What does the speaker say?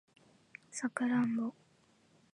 サクランボ